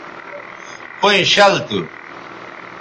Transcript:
پئیں شَل تھو